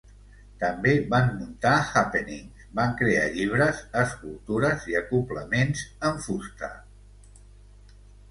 També van muntar happenings, van crear llibres, escultures i acoblaments en fusta.